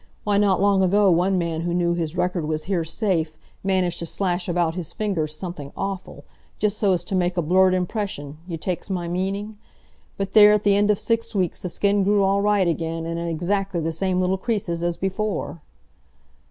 Why, not long ago, one man who knew his record was here safe, managed to slash about his fingers something awful, just so as to make a blurred impression—you takes my meaning? But there, at the end of six weeks the skin grew all right again, and in exactly the same little creases as before!"